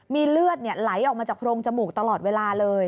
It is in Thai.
มีเลือดไหลออกมาจากโรงจมูกตลอดเวลาเลย